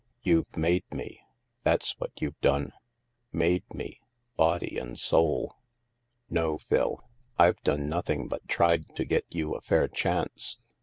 You've made me, that's what you've done — made me, body and soul." " No, Phil, I've done nothing but tried to get you a fair chance.